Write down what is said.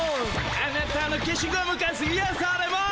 あなたのけしゴムカスいやされます。